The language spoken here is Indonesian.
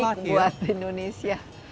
yang baik buat indonesia